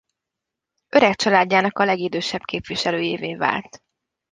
Öregcsaládjának a legidősebb képviselőjévé vált.